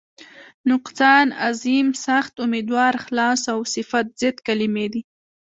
نقصان، عظیم، سخت، امیدوار، خلاص او صفت ضد کلمې دي.